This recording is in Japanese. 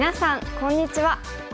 こんにちは。